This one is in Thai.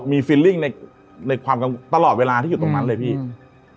มีฟิลลิ่งในในความกังวลตลอดเวลาที่อยู่ตรงนั้นเลยพี่อืม